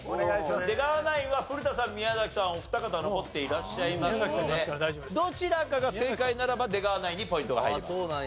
出川ナインは古田さん宮崎さんお二方残っていらっしゃいますのでどちらかが正解ならば出川ナインにポイントが入ります。